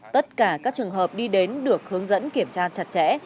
tất cả các trường hợp đi đến được hướng dẫn kiểm tra chặt chẽ